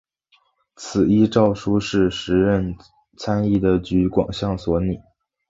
此一诏书是时任参议的橘广相所拟。